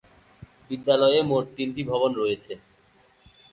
বিদ্যালয়ে মোট তিনটি ভবন রয়েছে।